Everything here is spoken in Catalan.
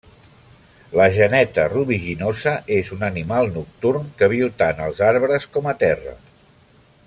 La geneta rubiginosa és un animal nocturn, que viu tant als arbres com a terra.